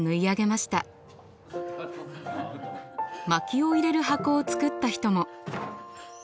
まきを入れる箱を作った人も。